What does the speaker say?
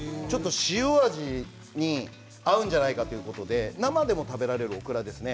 塩味に合うんじゃないかなということで生でも食べられるオクラです。